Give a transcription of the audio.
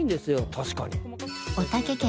確かに。